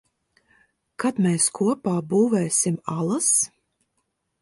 Kad mēs kopā būvēsim alas?